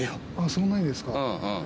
そんなにですか？